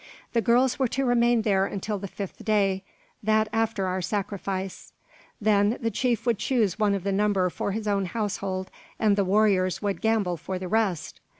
The girls were to remain there until the fifth day, that after our sacrifice. Then the chief would choose one of the number for his own household, and the warriors would "gamble" for the rest!